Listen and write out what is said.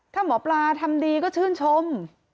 ถ้าหมอปลาทำดีก็ชื่นชม